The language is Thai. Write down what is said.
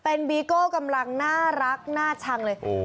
เป็นบีโก้กำลังน่ารักน่าชังเลย